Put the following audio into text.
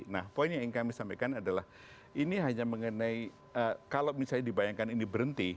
nah poin yang ingin kami sampaikan adalah ini hanya mengenai kalau misalnya dibayangkan ini berhenti